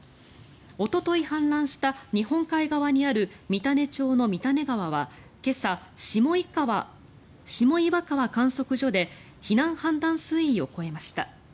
おととい氾濫した日本海側にある三種町の三種川は今朝、下岩川観測所で避難判断水位を超えました。